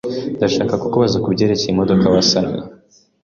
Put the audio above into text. Ndashaka kukubaza kubyerekeye imodoka wasannye.